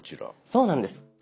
そうなんです。